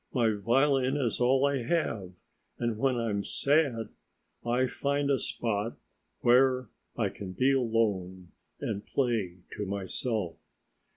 My violin is all I have and when I'm sad, I find a spot where I can be alone and play to myself.